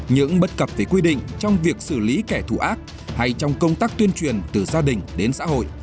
những bất cập về quy định trong việc xử lý kẻ thù ác hay trong công tác tuyên truyền từ gia đình đến xã hội